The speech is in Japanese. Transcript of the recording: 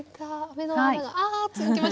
目の穴があ続きましたね。